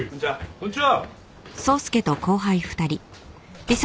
こんにちは。